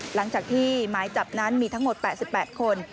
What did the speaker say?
หลังจากที่หมายจับนั้นมีทั้งหมด๘๘คน